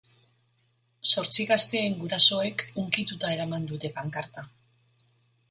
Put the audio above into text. Zortzi gazteen gurasoek hunkituta eraman dute pankarta.